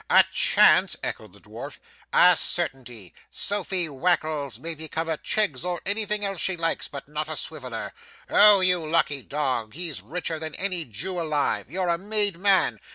'A chance!' echoed the dwarf, 'a certainty! Sophy Wackles may become a Cheggs or anything else she likes, but not a Swiveller. Oh you lucky dog! He's richer than any Jew alive; you're a made man.